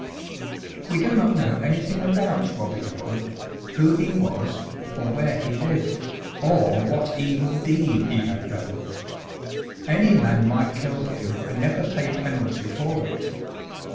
We do not know anything about Robin Hood, who he was, or where he lived, or what evil deed he had done. Any man might kill him and never pay penalty for it.